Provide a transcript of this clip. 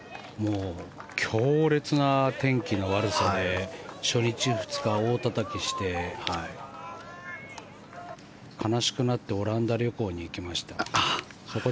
強烈な天気の悪さで初日、２日、大たたきして悲しくなってオランダ旅行に行きました。